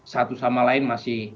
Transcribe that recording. satu sama lain masih